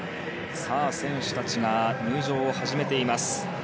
選手たちが入場を始めています。